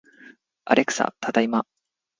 アレクサ、ただいま